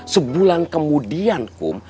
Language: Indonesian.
sebulan kemudian kum